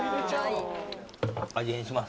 味変します